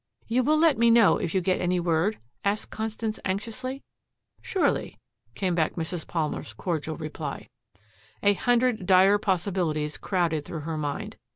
"You will let me know if you get any word?" asked Constance anxiously. "Surely," came back Mrs. Palmer's cordial reply. A hundred dire possibilities crowded through her mind.